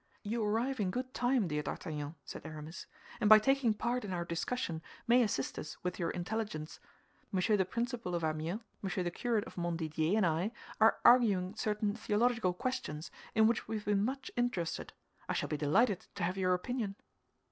"You arrive in good time, dear D'Artagnan," said Aramis, "and by taking part in our discussion may assist us with your intelligence. Monsieur the Principal of Amiens, Monsieur the Curate of Montdidier, and I are arguing certain theological questions in which we have been much interested; I shall be delighted to have your opinion."